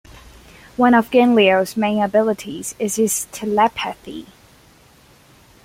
One of Ganglios' main abilities is his telepathy.